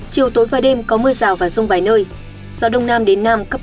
chiều tối và đêm có mưa rào và rông vài nơi gió đông nam đến nam cấp hai ba